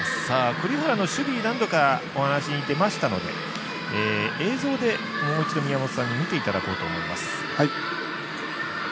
栗原の守備何度かお話に出ましたので映像でもう一度、宮本さんに見ていただこうと思います。